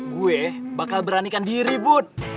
gue bakal beranikan diri bud